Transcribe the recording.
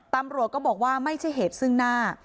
ตำรวจก็บอกว่าไม่ใช่เหตุซึ่งหน้า